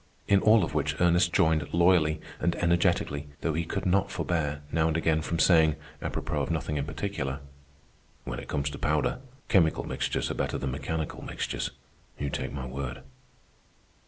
In all of which Ernest joined loyally and energetically, though he could not forbear, now and again, from saying, apropos of nothing in particular, "When it comes to powder, chemical mixtures are better than mechanical mixtures, you take my word."